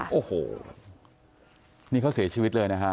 โอ้โหนี่เขาเสียชีวิตเลยนะฮะ